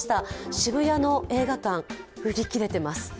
渋谷の映画館、売り切れています。